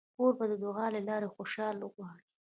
کوربه د دعا له لارې خوشالي غواړي.